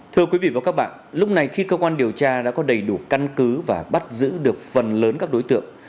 thưa quý vị và các bạn lúc này khi cơ quan điều tra đã có đầy đủ căn cứ và bắt giữ được phần lớn các đối tượng